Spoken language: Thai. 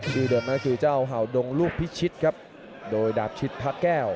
เดิมนั่นคือเจ้าเห่าดงลูกพิชิตครับโดยดาบชิดพระแก้ว